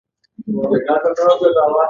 الله یو دی.